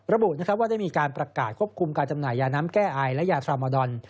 ระบุว่าได้มีการประกาศควบคุมการจำหน่ายยาน้ำแก้ไอและยาทรามาดอน